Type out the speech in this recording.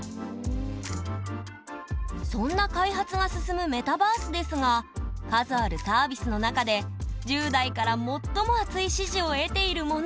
そんな開発が進むメタバースですが数あるサービスの中で１０代から最も熱い支持を得ているものが。